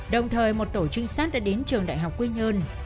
đồng thời một tổ trinh sát đã đến trường đại học quy nhơn